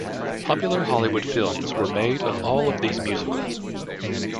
Popular Hollywood films were made of all of these musicals.